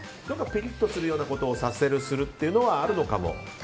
ピリッとさせるようなことをさせる、するというのはあるかも。